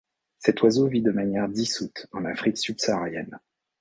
Cet oiseau vit de manière dissoute en Afrique subsaharienne.